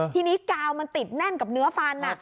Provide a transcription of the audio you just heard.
ทีนี้กาวมันติดแน่นกับเนื้อฟัน